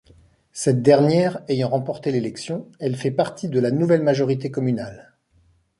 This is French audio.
Cette dernière ayant remporté l'élection, elle fait partie de la nouvelle majorité communale.